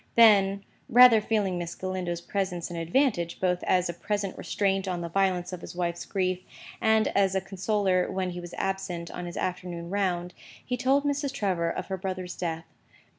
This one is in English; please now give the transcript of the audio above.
Then (rather feeling Miss Galindo's presence an advantage, both as a present restraint on the violence of his wife's grief, and as a consoler when he was absent on his afternoon round), he told Mrs. Trevor of her brother's death.